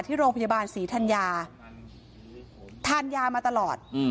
ที่โรงพยาบาลศรีธัญญาทานยามาตลอด